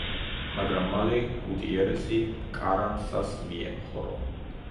მაგრამ მალე გუტიერესი კარანსას მიემხრო.